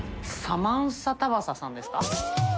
「サマンサタバサ」さんですか？